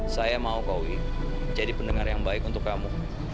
saya mau kowi jadi pendengar yang baik untuk kamu